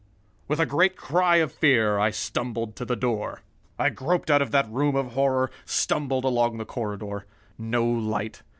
With a great cry of fear I stumbled to the door. I groped out of that room of horror, stumbled along the corridor. No light.